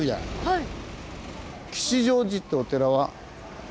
はい。